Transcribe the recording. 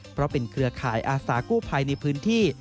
เพราะเป็นเครือข่ายอาสากู้ภัยในพื้นที่